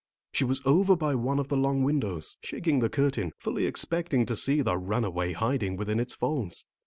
She was over by one of the long windows, shaking the curtain, fully expecting to see the runaway hiding within its folds.